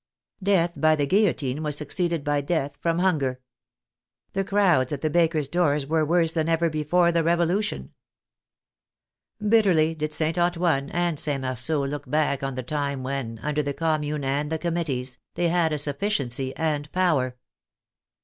Death by the guillotine was suc ceeded by death from hunger. The crowds at the bakers' doors were worse than even before the Revolution. Bit terly did St. Antoine and St. Marceau look back on the time when, under the Commune and the Committees, they had a sufficiency and power.